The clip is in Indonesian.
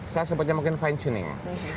saya sebutnya mungkin fine tuning